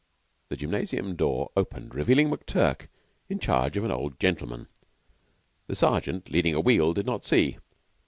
The gymnasium door opened, revealing McTurk in charge of an old gentleman. The Sergeant, leading a wheel, did not see.